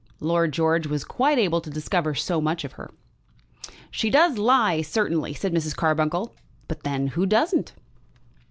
Lord George was quite able to discover so much of her. "She does lie, certainly," said Mrs. Carbuncle, "but then who doesn't?"